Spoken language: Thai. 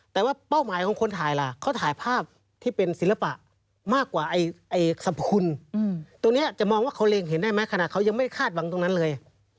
แต่ว่าเป้าหมายของคนถ่ายล่ะเขาถ่ายภาพที่เป็นศิลปะมากกว่าสรรพคุณตรงนี้จะมองว่าเขาเล็งเห็นได้ไหมขณะเขายังไม่คาดหวังตรงนั้นเลย